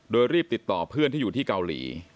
โดยรีบติดต่อเพื่อนที่อยู่ที่เกาหลี